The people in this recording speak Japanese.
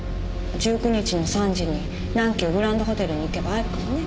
１９日の３時に南急グランドホテルに行けば会えるからね。